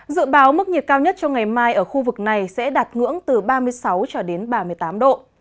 dự báo mức nhiệt cao nhất trong ngày mai ở khu vực này sẽ đạt ngưỡng từ ba mươi sáu cho đến ba mươi tám độ